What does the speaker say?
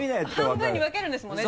半分に分けるんですもんね